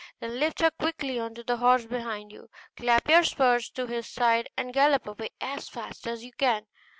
Then lift her quickly on to the horse behind you; clap your spurs to his side, and gallop away as fast as you can.